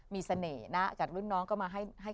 มีเสน่ห์นะจากรุ่นน้องก็มาให้